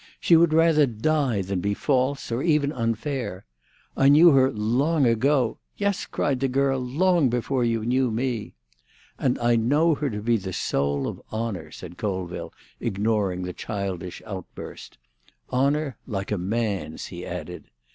She would rather die than be false, or even unfair. I knew her long ago—" "Yes," cried the girl, "long before you knew me!" "And I know her to be the soul of honour," said Colville, ignoring the childish outburst. "Honour—like a man's," he added.